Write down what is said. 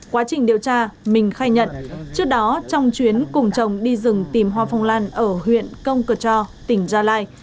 quá trình điều tra mình khai nhận trước đó trong chuyến cùng chồng đi rừng tìm hoa phong lan ở huyện công cờ cho tỉnh gia lai